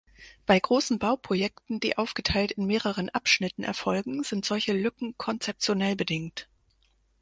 Bei großen Bauprojekten, die aufgeteilt in mehreren Abschnitten erfolgen, sind solche Lücken konzeptionell bedingt.